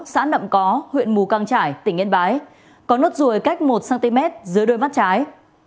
xã nậm có huyện mù căng trải tỉnh yên bái có nốt ruồi cách một cm dưới đôi mắt trái